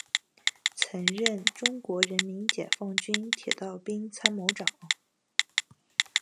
曾任中国人民解放军铁道兵参谋长。